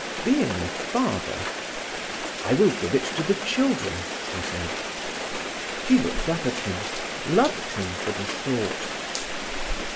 Being a father: "I will give it to the children," he said. She looked up at him, loved him for the thought.